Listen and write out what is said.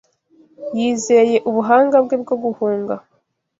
Yizeye ubuhanga bwe bwo guhunga